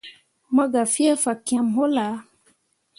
Mo gah fie fakyẽmme wullah.